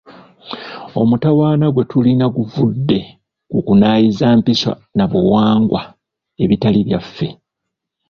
Omutawaana gwe tulina guvudde ku kunaayiza mpisa na buwangwa ebitali byaffe.